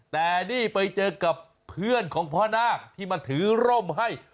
แต่นี่ไปเจอกับเพื่อนของพ่อนาคที่มาถือร่มให้